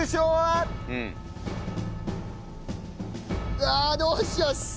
うわあどうしよう。